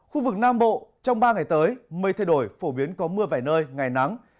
khu vực nam bộ trong ba ngày tới mây thay đổi phổ biến có mưa vài nơi ngày nắng